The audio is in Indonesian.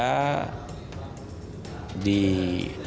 pak jk didorong untuk tidak diketua tim karena